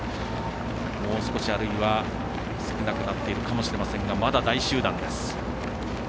もう少しあるいは少なくなっているかもしれませんがまだ大集団です。